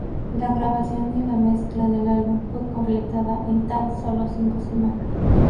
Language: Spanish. La grabación y la mezcla del álbum fue completada en tan solo cinco semanas.